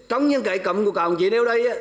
trong những cái cấm của cảng chế đeo đây á